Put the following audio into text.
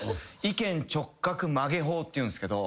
意見直角曲げ法っていうんすけど。